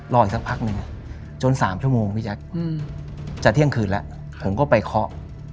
รออีกสักพักนึงจน๓ชั่วโมงที่จากจะเที่ยงขึ้นและเผ็มก็ไปเคาะ